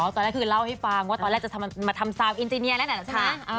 ตอนแรกคือเล่าให้ฟังว่าตอนแรกจะมาทำซาวอินติเนียนั่นน่ะใช่ไหม